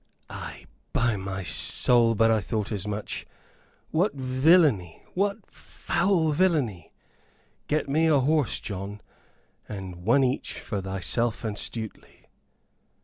'" "Ay, by my soul, but I thought as much. What villainy! What foul villainy! Get me a horse, John, and one each for thyself and Stuteley."